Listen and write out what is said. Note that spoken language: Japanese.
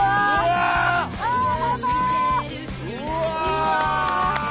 うわ！